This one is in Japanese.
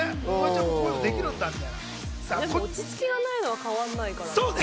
でも落ち着きがないのは変わらないから。